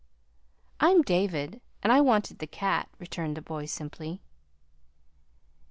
"I'm David, and I wanted the cat," returned the boy simply.